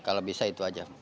kalau bisa itu saja